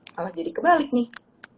malah jadi kebalik nih